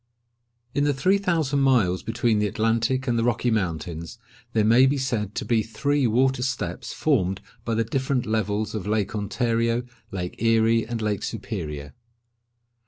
In the three thousand miles between the Atlantic and the Rocky Mountains, there may be said to be three water steps formed by the different levels of Lake Ontario, Lake Erie, and Lake Superior.